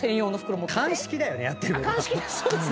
鑑識だよねやってることが。